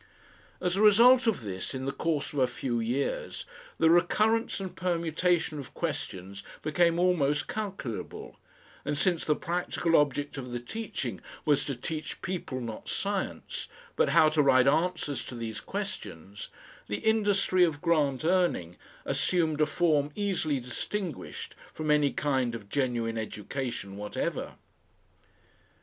As a result of this, in the course of a few years the recurrence and permutation of questions became almost calculable, and since the practical object of the teaching was to teach people not science, but how to write answers to these questions, the industry of Grant earning assumed a form easily distinguished from any kind of genuine education whatever.